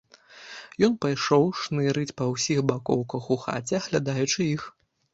Ён пайшоў шнырыць па ўсіх бакоўках у хаце, аглядаючы іх.